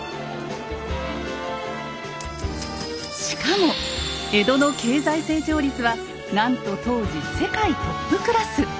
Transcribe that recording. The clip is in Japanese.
しかも江戸の経済成長率はなんと当時世界トップクラス！